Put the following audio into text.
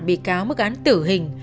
bị cáo mức án tử hình